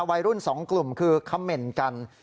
วัยรุ่น๒กลุ่มคือคอมเม้นต์กัน